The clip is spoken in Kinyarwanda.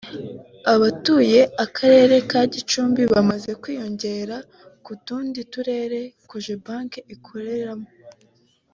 abatuye akarere ka Gicumbi bamaze kwiyongera ku tundi turere Cogebanque ikoreramo